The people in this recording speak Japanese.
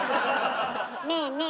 ねえねえ